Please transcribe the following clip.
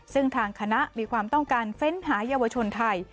ซึ่งทางคณะมีความต้องการเฟ้นหาเยาวชนไทย